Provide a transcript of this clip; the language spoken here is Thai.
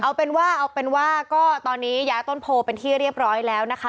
เอาเป็นว่าเอาเป็นว่าก็ตอนนี้ย้ายต้นโพเป็นที่เรียบร้อยแล้วนะคะ